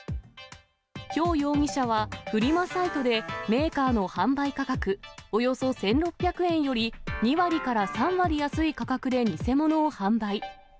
馮容疑者は、フリマサイトでメーカーの販売価格、およそ１６００円より、２割から３割安い価格で偽物を販売。